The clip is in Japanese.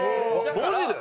マジで？